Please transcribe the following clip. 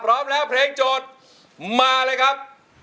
พร้อมแล้วเพลงโจทย์มาเลยครับ